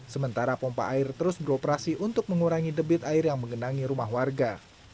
sementara pompa air terus beroperasi untuk mengurangi debit air yang mengenangi rumah warga